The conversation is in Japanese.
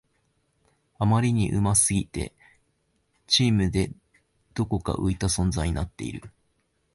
あまりに上手すぎてチームでどこか浮いた存在になっている